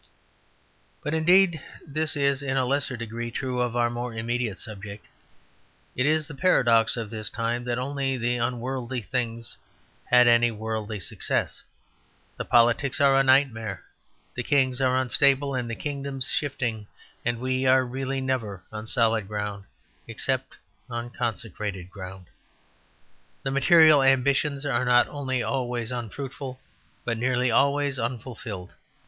But indeed this is, in a lesser degree, true of our more immediate subject. It is the paradox of this time that only the unworldly things had any worldly success. The politics are a nightmare; the kings are unstable and the kingdoms shifting; and we are really never on solid ground except on consecrated ground. The material ambitions are not only always unfruitful but nearly always unfulfilled.